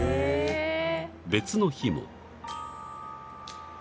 ［別の日も］